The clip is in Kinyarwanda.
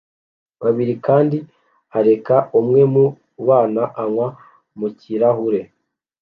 babiri kandi areka umwe mu bana anywa mu kirahure